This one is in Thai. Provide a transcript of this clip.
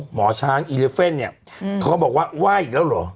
หมอช้างอีเลเฟ่นเนี่ยเขาก็บอกว่าไหว้อีกแล้วเหรอ